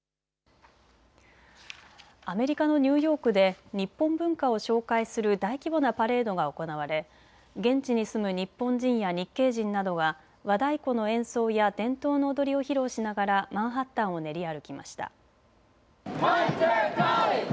アメリカのニューヨークで日本文化を紹介する大規模なパレードが行われ現地に住む日本人や日系人などは和太鼓の演奏や伝統の踊りを披露しながらマンハッタンを練り歩きました。